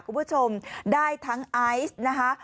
คุณผู้ชมได้ทั้งไอซ์นะคะ